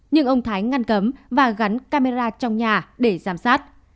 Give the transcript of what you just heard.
nhưng ông thái ngăn cấm và gắn camera trong nhà để giám sát